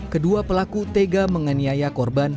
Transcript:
kedua pelaku tega menganiaya korban